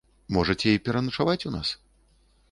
Можаце і пераначаваць у нас.